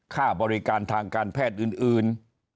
ค่าบริการทางการแพทย์อื่น